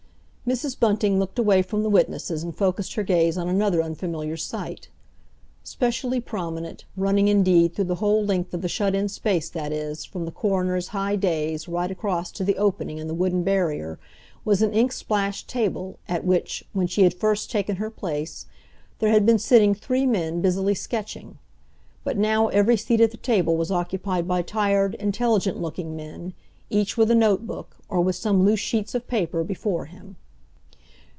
Mrs. Bunting looked away from the witnesses, and focused her gaze on another unfamiliar sight. Specially prominent, running indeed through the whole length of the shut in space, that is, from the coroner's high dais right across to the opening in the wooden barrier, was an ink splashed table at which, when she had first taken her place, there had been sitting three men busily sketching; but now every seat at the table was occupied by tired, intelligent looking men, each with a notebook, or with some loose sheets of paper, before him.